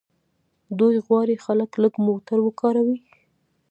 دوی غواړي خلک لږ موټر وکاروي.